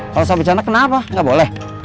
kalau saya bercanda kenapa nggak boleh